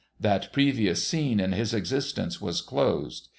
That previous scene in his existence was closed.